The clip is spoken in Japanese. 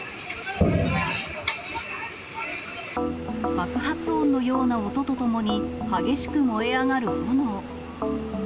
爆発音のような音とともに激しく燃え上がる炎。